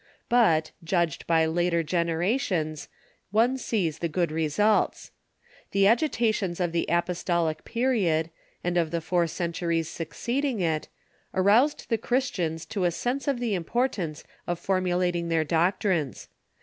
But, judged by later generations, one sees the good results. The agita tions of the apostolic period, and of the four centuries succeed ing it, aroused the Christians to a sense of the importance of formulating their doctrines.